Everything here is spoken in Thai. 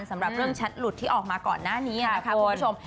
สำหรับเรื่องแชทหลุดที่ออกมาก่อนหน้านี้นะคะคุณผู้ชม